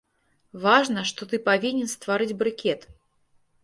Важна, што ты павінен стварыць брыкет.